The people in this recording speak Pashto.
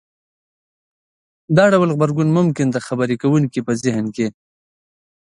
دا ډول غبرګون ممکن د خبرې کوونکي په زهن کې